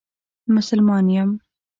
مسلمان یم.